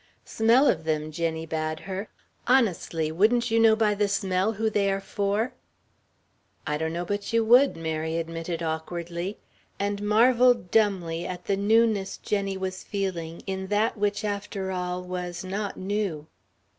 "Smell of them," Jenny bade her. "Honestly, wouldn't you know by the smell who they are for?" "I donno but you would," Mary admitted awkwardly, and marveled dumbly at the newness Jenny was feeling in that which, after all, was not new!